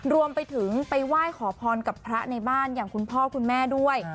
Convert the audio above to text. รวมไปถึงไปไหว้ขอพรกับพระในบ้านอย่างคุณพ่อคุณแม่ด้วย